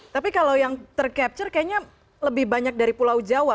tapi kalau yang tercapture kayaknya lebih banyak dari pulau jawa